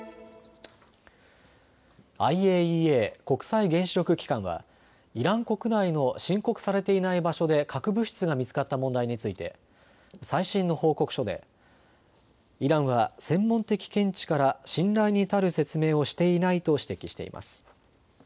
ＩＡＥＡ・国際原子力機関はイラン国内の申告されていない場所で核物質が見つかった問題について最新の報告書でイランは専門的見地から信頼に足る説明をしていないと指摘しています。